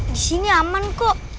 disini aman kok